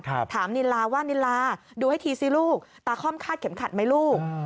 ถามนิลาว่านิลาดูให้ทีซิลูกตาคล่อมคาดเข็มขัดไหมลูก